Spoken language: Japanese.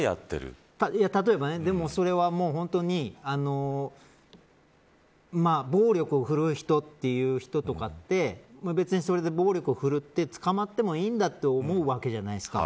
例えばそれは、本当に暴力を振るう人とかって別にそれで暴力を振るって捕まってもいいんだと思うわけじゃないですか。